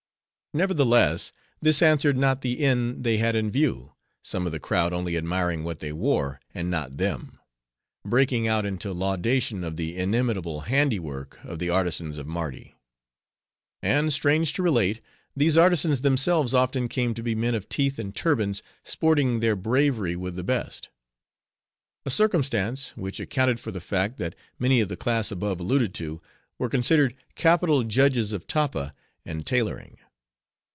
Nevertheless, this answered not the end they had in view; some of the crowd only admiring what they wore, and not them; breaking out into laudation of the inimitable handiwork of the artisans of Mardi. And strange to relate, these artisans themselves often came to be men of teeth and turbans, sporting their bravery with the best. A circumstance, which accounted for the fact, that many of the class above alluded to, were considered capital judges of tappa and tailoring.